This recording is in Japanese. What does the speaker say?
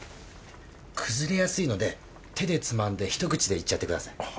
崩れやすいので手でつまんでひと口でいっちゃってください。